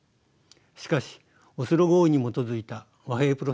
しかしオスロ合意に基づいた和平プロセスは行き詰まり